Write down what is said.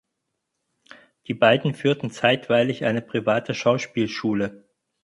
Die beiden führten zeitweilig eine private Schauspielschule.